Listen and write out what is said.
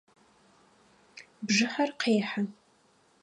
Бжыхьэр къехьэ.